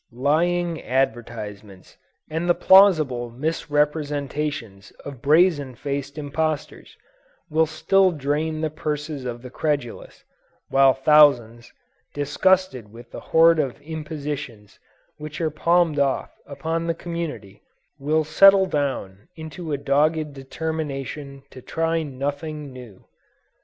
Lying advertisements and the plausible misrepresentations of brazen faced impostors, will still drain the purses of the credulous, while thousands, disgusted with the horde of impositions which are palmed off upon the community, will settle down into a dogged determination to try nothing new.